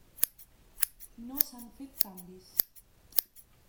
No s'han fet canvis.